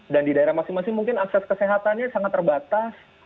dan di daerah masing masing mungkin akses kesehatannya sangat terbatas